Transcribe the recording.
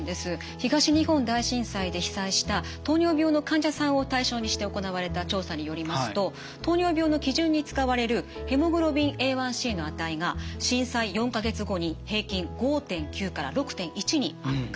東日本大震災で被災した糖尿病の患者さんを対象にして行われた調査によりますと糖尿病の基準に使われるヘモグロビンＡ１ｃの値が震災４か月後に平均５．９から６．１に悪化。